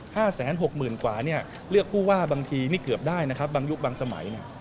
๕๖หมื่นกวาเลือกผู้ว่าบางทีนี่เกือบได้นะครับบางยุคนักบางสมัย